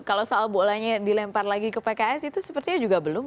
kalau soal bolanya dilempar lagi ke pks itu sepertinya juga belum